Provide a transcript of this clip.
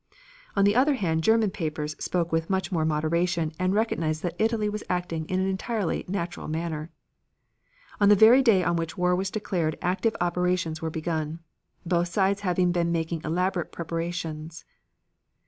On the other hand German papers spoke with much more moderation and recognized that Italy was acting in an entirely natural manner. On the very day on which war was declared active operations were begun. Both sides had been making elaborate preparations.